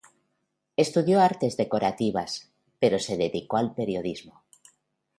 Estudió artes decorativas, pero se dedicó al periodismo.